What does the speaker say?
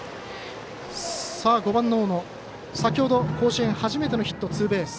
５番の大野先ほど甲子園初めてのヒットはツーベース。